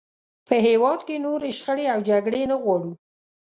په هېواد کې نورې شخړې او جګړې نه غواړو.